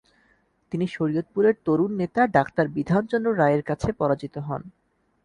তিনি শরীয়তপুরের তরুন নেতা ডাঃ বিধান চন্দ্র রায়ের কাছে পরাজিত হন।